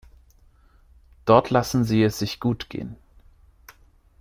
Dort lassen sie es sich gut gehen.